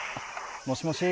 もしもし。